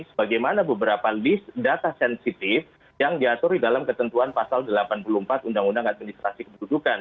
sebagaimana beberapa list data sensitif yang diatur di dalam ketentuan pasal delapan puluh empat undang undang administrasi kependudukan